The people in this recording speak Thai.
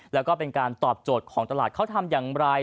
แล้วก็เป็นการตอบโจทย์ของตลาดเขาทำอย่างไร